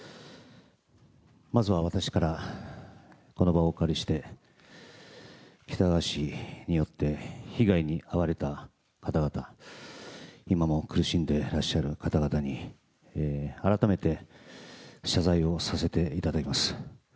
まずは私から、この場をお借りして、喜多川氏によって被害に遭われた方々、今も苦しんでいらっしゃる方々に、改めて謝罪をさせていただきます。